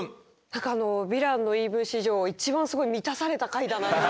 何かあの「ヴィランの言い分」史上一番すごい満たされた回だなと。